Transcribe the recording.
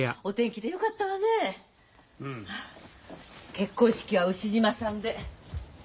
結婚式は牛嶋さんではい。